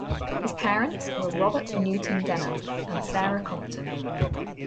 His parents were Robert Newton Denham and Sarah Compton.